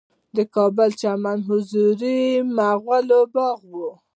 د کابل چمن حضوري مغل باغ دی